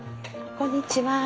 こんにちは。